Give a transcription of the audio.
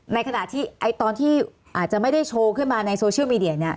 ในขณะที่ตอนที่อาจจะไม่ได้โชว์ขึ้นมาในโซเชียลมีเดียเนี่ย